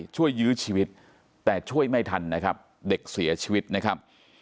ยื้อชีวิตแต่ช่วยไม่ทันนะครับเด็กเสียชีวิตนะครับ